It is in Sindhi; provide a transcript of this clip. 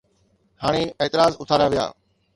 هاڻي اعتراض اٿاريا ويا.